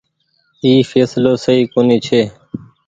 اي ڦيسلو سئي ڪونيٚ ڇي۔